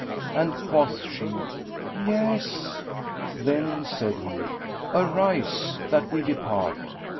and quoth she, "Yes." "Then," said he, "arise that we depart."